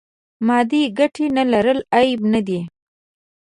مادې ګټې نه لرل عیب نه دی.